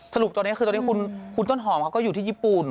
สรุปตอนนี้คือตอนนี้คุณต้นหอมเขาก็อยู่ที่ญี่ปุ่น